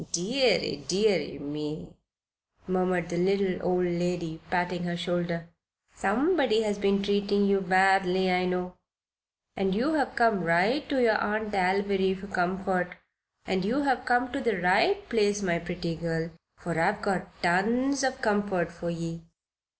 Deary, deary me!" murmured the little old lady, patting her shoulder. "Somebody has been treating you badly, I know. And you've come right to your Aunt Alviry for comfort. And you've come to the right place, my pretty girl, for I've got tons of comfort for ye."